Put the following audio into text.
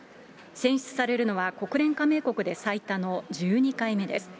選出されるのは国連加盟国で最多の１２回目です。